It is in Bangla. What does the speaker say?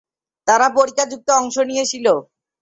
তারা পরিখা যুদ্ধে অংশ নিয়েছিল।